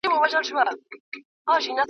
مجاهد تل د الله تعالی شکر ادا کوی.